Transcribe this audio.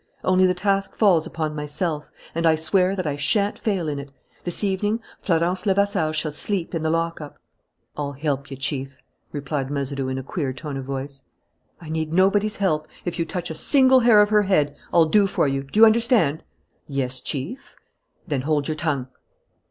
Only the task falls upon myself; and I swear that I shan't fail in it. This evening Florence Levasseur shall sleep in the lockup!" "I'll help you, Chief," replied Mazeroux, in a queer tone of voice. "I need nobody's help. If you touch a single hair of her head, I'll do for you. Do you understand?" "Yes, Chief." "Then hold your tongue."